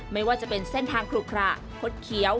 ไม่ว่าจะเป็นเส้นทางขลุขระคดเขียว